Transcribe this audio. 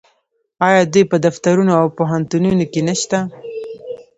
آیا دوی په دفترونو او پوهنتونونو کې نشته؟